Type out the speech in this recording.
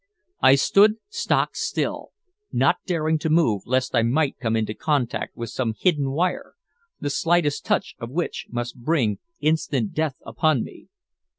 I stood stock still, not daring to move lest I might come into contact with some hidden wire, the slightest touch of which must bring instant death upon me.